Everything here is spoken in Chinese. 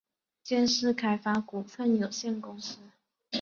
建设开发股份有限公司